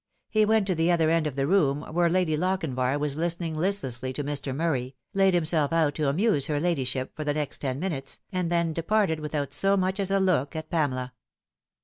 He went to the other end of the room, where Lady Lochinvar was listening listlessly to Mr. Murray, laid himself out to amuse her ladyship for the next ten minutes, and then departed without so much as a look at Pamela.